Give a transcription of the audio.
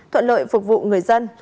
thuận lợi phục vụ người dân